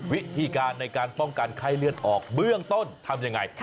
วิธีการในการป้องกันไข้เลือดออกเบื้องต้นทำยังไง